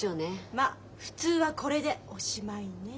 まっ普通はこれでおしまいね。